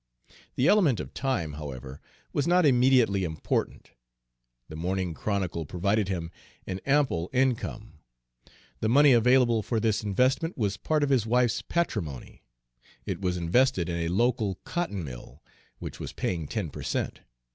The element of time, however, was not immediately important. The Morning Chronicle provided him an ample income. The money available for this investment was part of his wife's patrimony. It was invested in a local cotton mill, which was paying ten per cent.